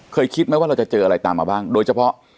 คิดไหมว่าเราจะเจออะไรตามมาบ้างโดยเฉพาะ